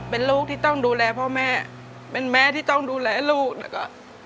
เป็นลูกที่ต้องดูแลพ่อแม่เป็นแม่ที่ต้องดูแลลูกแล้วก็